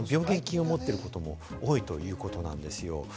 病原菌を持っていることも多いということなんですよ。